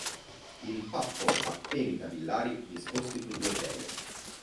Il pappo a peli capillari disposti su due serie.